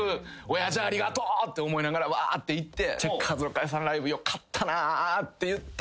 親父ありがとうって思いながらわーって行って「チェッカーズの解散ライブよかったな」って言った。